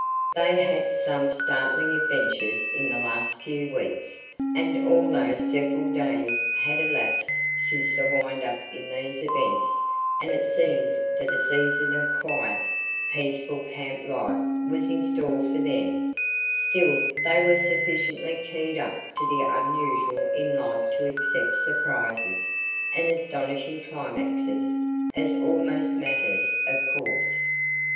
They had had some startling adventures in the last few weeks, and although several days had elapsed since the windup in these events and it seemed that a season of quiet, peaceful camp life was in store for them, still they were sufficiently keyed up to the unusual in life to accept surprises and astonishing climaxes as almost matters of course.